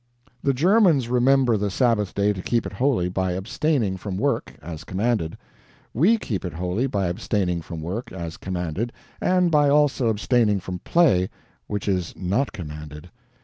The Germans remember the Sabbath day to keep it holy, by abstaining from work, as commanded; we keep it holy by abstaining from work, as commanded, and by also abstaining from play, which is not commanded.